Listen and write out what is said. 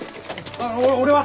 あの俺は？